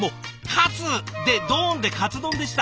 「喝！」で「ドーン！」でカツ丼でした。